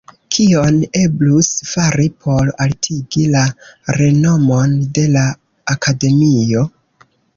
Kion eblus fari por altigi la renomon de la Akademio?